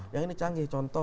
yang ini canggih contoh